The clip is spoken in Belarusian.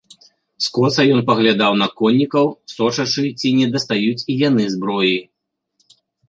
Скоса ён паглядаў на коннікаў, сочачы, ці не дастаюць і яны зброі.